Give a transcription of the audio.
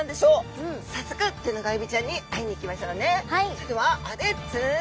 それではあレッツ。